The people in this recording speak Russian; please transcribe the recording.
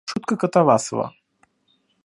Шутка Катавасова.